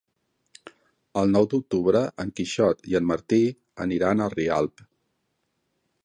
El nou d'octubre en Quixot i en Martí aniran a Rialp.